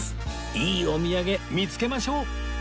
いいお土産見付けましょう！